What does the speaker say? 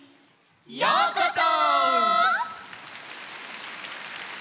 ようこそ！